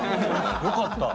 よかった。